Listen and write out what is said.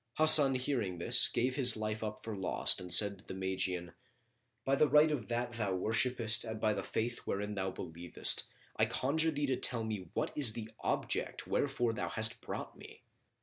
Hasan hearing this gave his life up for lost and said to the Magian, "By the right of that thou worshippest and by the faith wherein thou believest, I conjure thee to tell me what is the object wherefor thou hast brought me!"